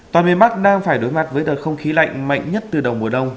toàn miền bắc đang phải đối mặt với đợt không khí lạnh mạnh nhất từ đầu mùa đông